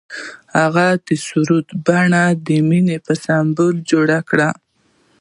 هغه د سرود په بڼه د مینې سمبول جوړ کړ.